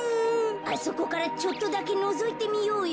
あそこからちょっとだけのぞいてみようよ。